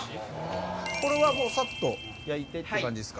これはサッと焼いてって感じで？